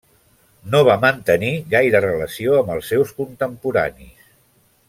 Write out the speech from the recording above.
No va mantenir gaire relació amb els seus contemporanis.